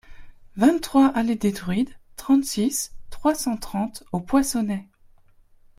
vingt-trois allée des Druides, trente-six, trois cent trente au Poinçonnet